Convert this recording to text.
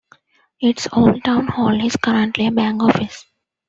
Its old town hall is currently a bank office.